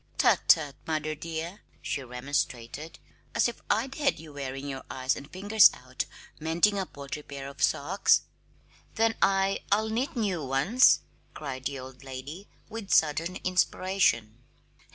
"Tut, tut, mother, dear!" she remonstrated. "As if I'd have you wearing your eyes and fingers out mending a paltry pair of socks!" "Then I I'll knit new ones!" cried the old lady, with sudden inspiration.